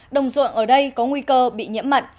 đồng ruộng ở đây có nguy cơ bị nhiễm mặn